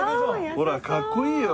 ほらかっこいいよね。